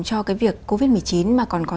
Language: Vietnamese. cho cái việc covid một mươi chín mà còn có